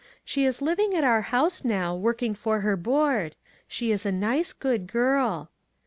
She is living at our house now, working for her board. She is a nice, good girl."